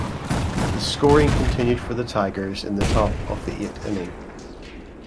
The scoring continued for the Tigers in the top of the eight inning.